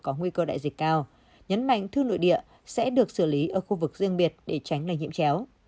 có nguy cơ đại dịch cao nhấn mạnh thư nội địa sẽ được xử lý ở khu vực riêng biệt để tránh lây nhiễm chéo